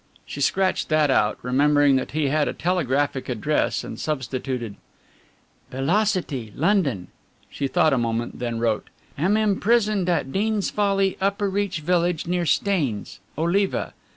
She scratched that out, remembering that he had a telegraphic address and substituted: "Belocity, London." She thought a moment, then wrote: "Am imprisoned at Deans Folly, Upper Reach Village, near Staines. Oliva."